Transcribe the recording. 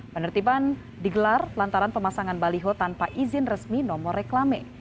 penertiban digelar lantaran pemasangan baliho tanpa izin resmi nomor reklame